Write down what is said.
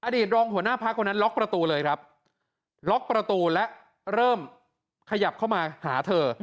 รองหัวหน้าพักคนนั้นล็อกประตูเลยครับล็อกประตูและเริ่มขยับเข้ามาหาเธอ